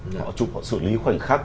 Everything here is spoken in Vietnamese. họ chụp họ xử lý khoảnh khắc